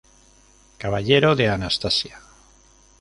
Caballero de Anastasia.